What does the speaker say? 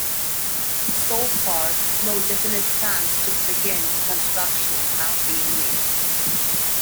So far, no definite plans to begin construction have been made.